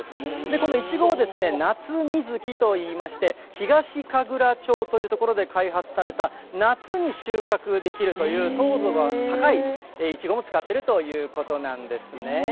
このイチゴはなつみずきといいまして、ひがしかぐら町という所で開発された夏に収穫できるという糖度が高いイチゴを使っているということなんですね。